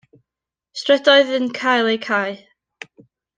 Strydoedd yn cael eu cau.